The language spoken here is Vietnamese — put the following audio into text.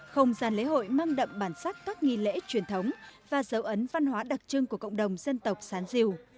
không gian lễ hội mang đậm bản sắc các nghi lễ truyền thống và dấu ấn văn hóa đặc trưng của cộng đồng dân tộc sán diều